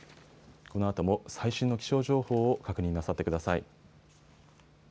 このあとも最新の気象情報を確認なさってください。